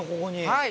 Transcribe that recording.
はい。